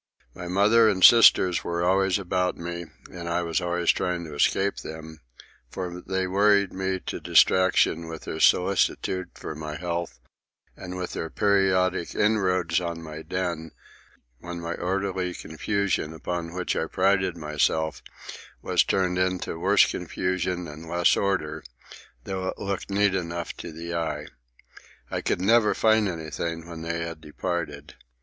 My mother and sisters were always about me, and I was always trying to escape them; for they worried me to distraction with their solicitude for my health and with their periodic inroads on my den, when my orderly confusion, upon which I prided myself, was turned into worse confusion and less order, though it looked neat enough to the eye. I never could find anything when they had departed.